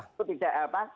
itu tidak apa